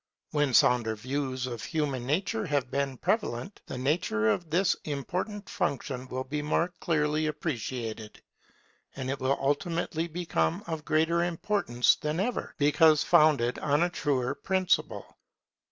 When sounder views of human nature have become prevalent, the value of this important function will be more clearly appreciated; and it will ultimately become of greater importance than ever, because founded on a truer principle.